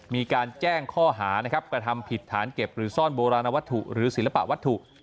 มีการแจ้งข้อหานะครับกระทำผิดฐานเก็บหรือซ่อนโบราณวัตถุหรือศิลปะวัตถุ